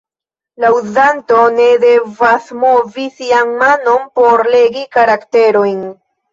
La uzanto ne devas movi sian manon por legi karakterojn.